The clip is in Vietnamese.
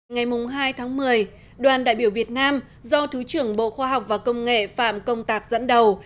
ngày hai tháng một mươi đoàn đại biểu việt nam do thứ trưởng bộ khoa học và công nghệ phạm công tạc dẫn đầu